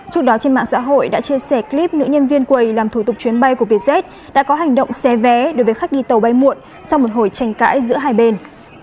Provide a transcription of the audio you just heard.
trước đó trên mạng xã hội đã chia sẻ clip nữ nhân viên quầy làm thủ tục chuyến bay của vietjet đã có hành động xé vé đối với khách đi tàu bay muộn sau một hồi tranh cãi giữa hai bên